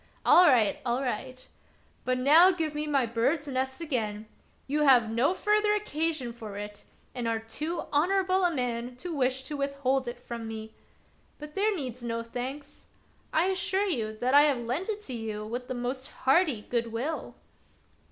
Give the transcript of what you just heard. All right ! all right ! But now give me my bird's nest again ; you have no further occasion for it and are too honorable a man to wish to withhold it from me. But there needs no thanks; I assure you that I have lent it you with the most hearty good will."